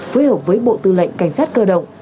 phối hợp với bộ tư lệnh cảnh sát cơ động